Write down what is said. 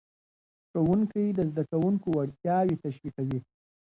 ښوونکی د زدهکوونکو وړتیاوې تشویقوي.